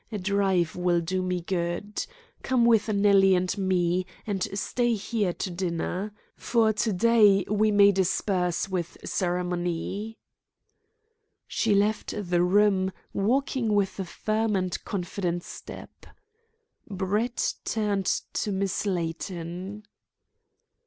A drive will do me good. Come with Nellie and me, and stay here to dinner. For to day we may dispense with ceremony." She left the room, walking with a firm and confident step. Brett turned to Miss Layton.